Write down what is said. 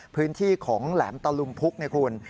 พื้นที่ของแหลมตะลุมพุกเนี่ยคุณ